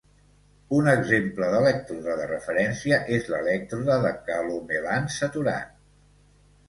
Un exemple d'elèctrode de referència és l'elèctrode de calomelans saturat.